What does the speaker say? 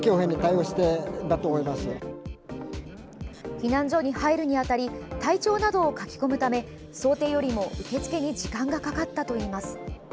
避難所に入るにあたり体調などを書き込むため想定よりも、受け付けに時間がかかったといいます。